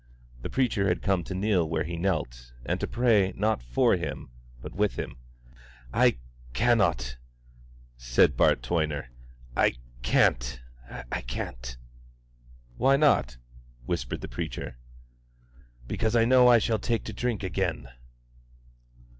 The preacher had come to kneel where he knelt, and to pray, not for him, but with him. "I cannot," said Bart Toyner, "I can't, I can't." "Why not?" whispered the preacher. "Because I know I shall take to drink again."